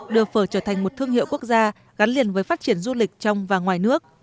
đưa phở trở thành một thương hiệu quốc gia gắn liền với phát triển du lịch trong và ngoài nước